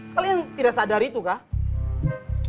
kalian tidak sadar itu kan